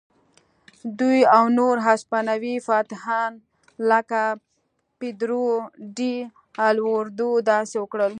دوی او نور هسپانوي فاتحان لکه پیدرو ډي الواردو داسې وکړل.